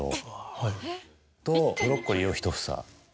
はい。とブロッコリーを１房。